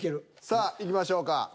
さあいきましょうか。